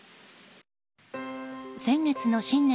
先月の新年